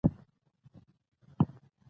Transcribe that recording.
راته کړه یې چې شپون ناول ليکل نه پوهېږي.